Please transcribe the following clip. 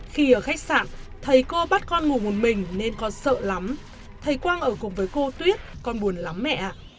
khi ở khách sạn thầy cô bắt con ngủ một mình nên con sợ lắm thầy quang ở cùng với cô tuyết con buồn lắm mẹ ạ